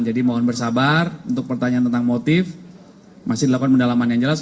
jadi mohon bersabar untuk pertanyaan tentang motif masih dilakukan pendalaman yang jelas